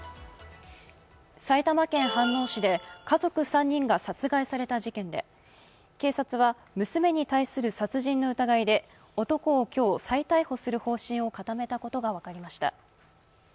埼玉県飯能市で家族３人が殺害された事件で警察は娘に対する殺人の疑いで男を今日、再逮捕する方針を固めたことが分かりました。